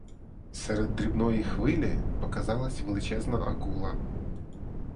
Серед дрібної хвилі показалась величезна акула.